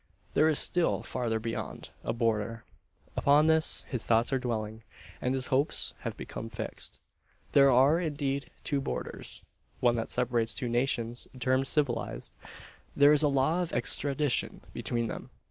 There is a still farther beyond a border. Upon this his thoughts are dwelling, and his hopes have become fixed. There are, indeed, two borders. One that separates two nations termed civilised. There is a law of extradition between them.